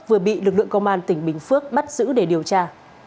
vừa bị lực lượng công an tỉnh bình phước bắt giữ để điều tra